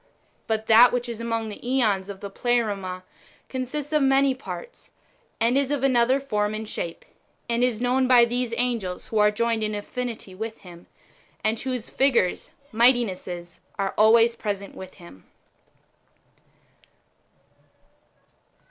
But that which is amons; the JEons of the Pleroma consists of many parts, and is of another form and shape, and is known by those [angels] wdio are joined in affinity with Him, and whose figures (mighti nesses) are always present with Him.